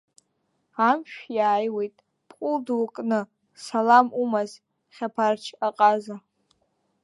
Амшә иааиуеит бҟәыл дук кны салам умаз Хьаԥарч-аҟаза!